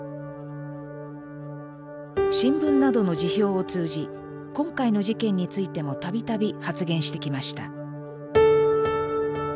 新聞などの時評を通じ今回の事件についても度々発言してきました。